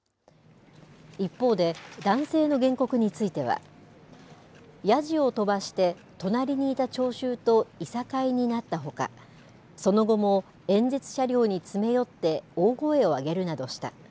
一方で、男性の原告についてはやじを飛ばして隣にいた聴衆といさかいになったほかその後も演説車両に詰め寄って大声を上げるなどした。